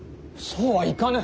そうはいかぬ。